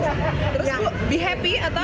terus ibu be happy atau